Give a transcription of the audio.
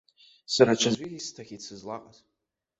Сара ҽаӡәы исҭахьеит сызлаҟаз.